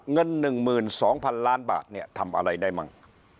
เงินหนึ่งหมื่นสองพันล้านบาทเนี่ยทำอะไรได้มั้ง